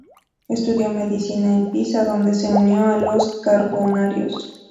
Estudió medicina en Pisa, donde se unió a los Carbonarios.